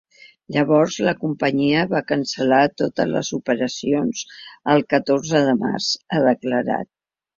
Llavors, la companyia va cancel·lar totes les operacions el catorze de març, ha declarat.